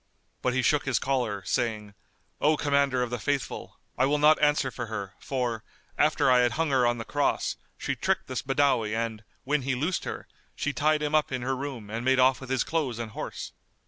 But he shook his collar, saying, "O Commander of the Faithful, I will not answer for her; for, after I had hung her on the cross, she tricked this Badawi and, when he loosed her, she tied him up in her room and made off with his clothes and horse."